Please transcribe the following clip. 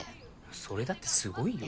それだってすごいよ。